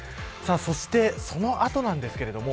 そしてその後なんですけれども。